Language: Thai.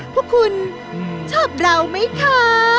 พวกคุณชอบเราไหมคะ